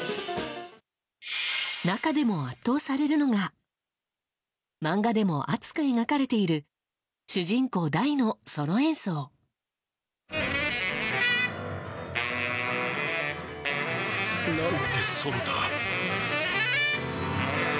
中でも圧倒されるのが漫画でも熱く描かれている主人公、大のソロ演奏。なんてソロだ。